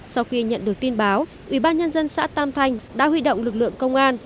sau khi nhận được tin báo ủy ban nhân dân xã tam thanh đã huy động lực lượng công an